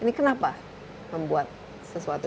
ini kenapa membuat sesuatu